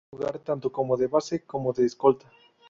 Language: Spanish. Puede jugar tanto como de base como de escolta.